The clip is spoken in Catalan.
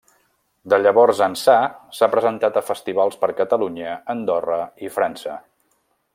De llavors ençà, s'ha presentat a festivals per Catalunya, Andorra i França.